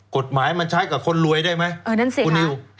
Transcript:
กฎหมายมันใช้กับคนรวยได้ไหมคุณนิว